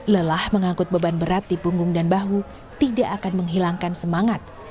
lelah mengangkut beban berat di punggung dan bahu tidak akan menghilangkan semangat